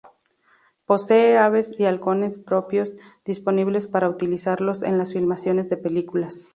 Posee aves y halcones propios, disponibles para utilizarlos en las filmaciones de películas.